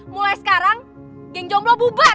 mulai sekarang geng jomblo bubar